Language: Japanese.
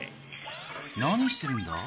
何してるんだ？